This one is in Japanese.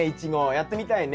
やってみたいね。